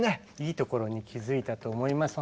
いいところに気づいたと思います。